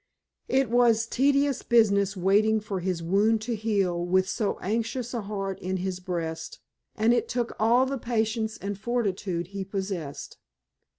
It was tedious business waiting for his wound to heal with so anxious a heart in his breast, and it took all the patience and fortitude he possessed.